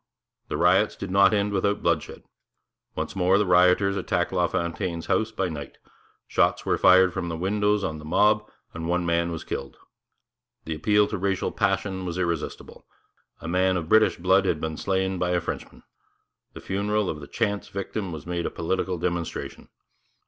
The riots did not end without bloodshed. Once more the rioters attacked LaFontaine's house by night; shots were fired from the windows on the mob, and one man was killed. The appeal to racial passion was irresistible. A man of British blood had been slain by a Frenchman. The funeral of the chance victim was made a political demonstration.